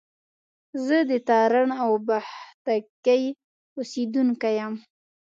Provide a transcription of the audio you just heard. زه د تارڼ اوبښتکۍ اوسېدونکی يم